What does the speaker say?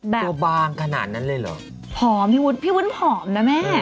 ตัวบางขนาดนั้นเลยเหรอผอมพี่วุ้นพี่วุ้นผอมนะแม่